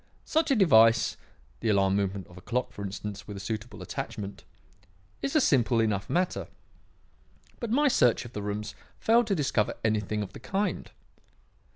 Such a device the alarm movement of a clock, for instance, with a suitable attachment is a simple enough matter, but my search of the rooms failed to discover anything of the kind.